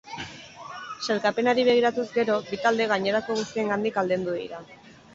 Sailkapenari begiratuz gero, bi talde gainerako guztiengandik aldendu dira.